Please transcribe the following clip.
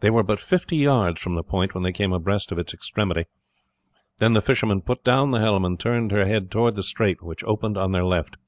They were but fifty yards from the point when they came abreast of its extremity; then the fisherman put down the helm and turned her head towards the strait, which opened on their left.